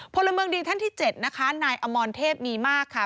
พลเมืองดีท่านที่๗นะคะนายอมรเทพมีมากค่ะ